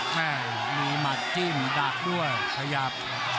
แม่มีหมัดจิ้มดักด้วยขยับ